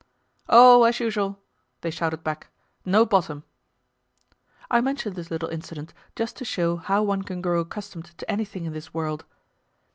"Oh, as usual," they shouted back; "no bottom." I mention this little incident just to show how one can grow accustomed to anything in this world.